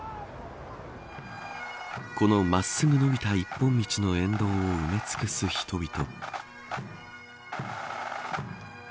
この、真っすぐ伸びた一本道の沿道を埋め尽くす人々。